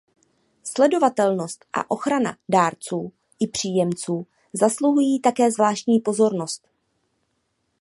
Sledovatelnost a ochrana dárců i příjemců zasluhují také zvláštní pozornost.